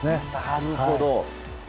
なるほど。